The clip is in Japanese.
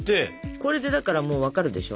これでだからもう分かるでしょ。